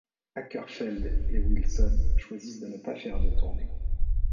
Åkerfeldt et Wilson choisissent de ne pas faire de tournée.